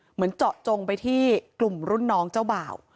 เหมือนเจาะจงไปที่กลุ่มรุ่นน้องเจ้าบ่าว